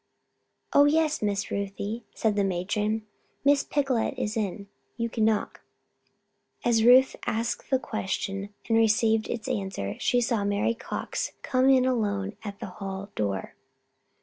"Oh, yes, Miss Ruthie," said the matron. "Miss Picolet is in. You can knock." As Ruth asked this question and received its answer she saw Mary Cox come in alone at the hall door.